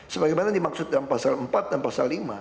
sebagaimana dimaksud dalam pasal empat dan pasal lima